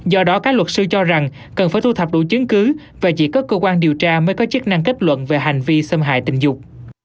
do đó các luật sư cho rằng cần phải thu thập đủ chứng cứ và chỉ có cơ quan điều tra mới có chức năng kết luận về hành vi xâm hại tình dục